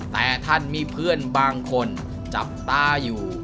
แต่ท่านมีเพื่อนบางคนจับตาอยู่